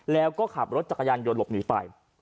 แล้วก็ขับรถจักรยานยนต์หลบหนีไป